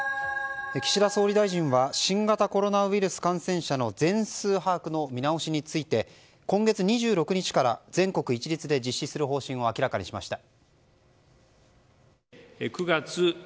岸田総理大臣は新型コロナウイルス感染者の全数把握の見直しについて今月２６日から全国一律で実施する方針を明らかにしました。